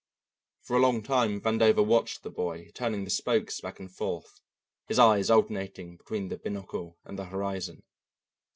For a long time Vandover watched the boy turning the spokes back and forth, his eyes alternating between the binocle and the horizon.